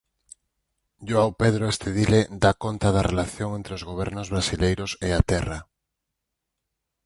João Pedro Stedile dá conta da relación entre os gobernos brasileiros e a terra.